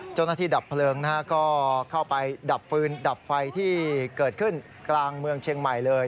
เจ้าหน้าที่ดับเผลิงก็เข้าไปดับฟื้นดับไฟที่เกิดขึ้นกลางเมืองเชียงใหม่เลย